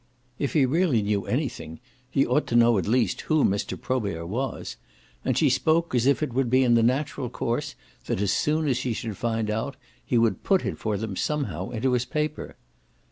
If he really knew anything he ought to know at least who Mr. Probert was; and she spoke as if it would be in the natural course that as soon as he should find out he would put it for them somehow into his paper.